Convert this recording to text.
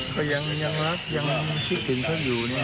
ก็ยังรักยังคิดถึงท่านอยู่เนี่ย